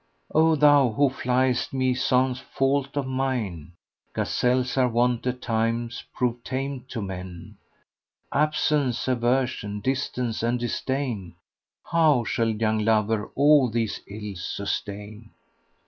O thou who fliest me sans fault of mine, * Gazelles are wont at times prove tame to men: Absence, aversion, distance and disdain, * How shall young lover all these ills sustain?"